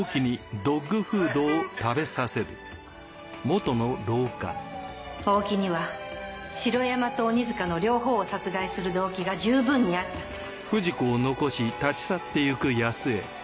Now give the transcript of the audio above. うまいかおいおい大木には城山と鬼塚の両方を殺害する動機が十分にあったってこと。